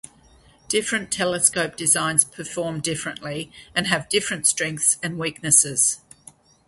Different telescope designs perform differently and have different strengths and weaknesses.